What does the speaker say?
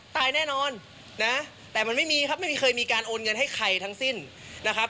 ตายแน่นอนนะแต่มันไม่มีครับไม่มีใครมีการโอนเงินให้ใครทั้งสิ้นนะครับ